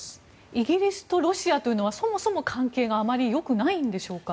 イギリスとロシアというのはそもそも関係があまりよくないんでしょうか。